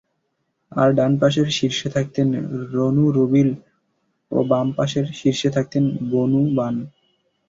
আর ডানপাশের শীর্ষে থাকতেন বনু রুবীল ও বাম পার্শ্বের শীর্ষে থাকতেন বনুবান।